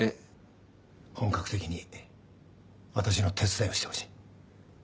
本格的に私の手伝いをしてほしい。